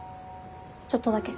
ちょっとだけ。